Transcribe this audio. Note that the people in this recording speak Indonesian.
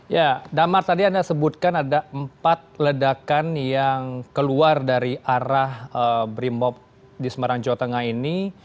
ya damar tadi anda sebutkan ada empat ledakan yang keluar dari arah brimob di semarang jawa tengah ini